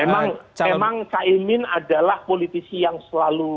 memang cah imin adalah politisi yang selalu